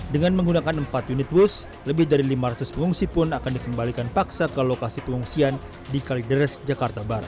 dengan menggunakan empat unit bus lebih dari lima ratus pengungsi pun akan dikembalikan paksa ke lokasi pengungsian di kalideres jakarta barat